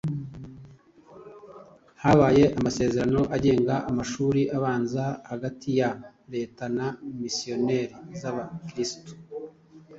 habaye amasezerano agenga amashuri abanza hagati ya Leta na Misiyoni z'abakristu